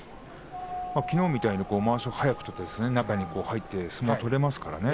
きのうみたいにまわしを早く取って中に入って相撲が取れますからね。